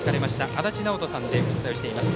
足達尚人さんでお伝えをしています。